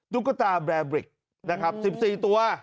ตุ๊กตาแบรบริกนะครับ๑๔ตัว